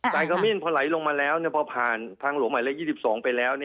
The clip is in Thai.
ขมิ้นพอไหลลงมาแล้วพอผ่านทางหลวงหมายเลข๒๒ไปแล้ว